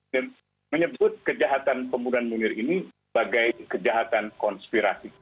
dan menyebut kejahatan pembunuhan munir ini sebagai kejahatan konspirasi